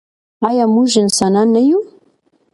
آیا موږ انسانان نه یو؟